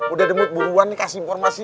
udah demet buruan kasih informasi